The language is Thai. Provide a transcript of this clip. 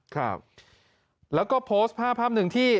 ครับแล้วก็โพสต์ภาพภาพหนึ่งที่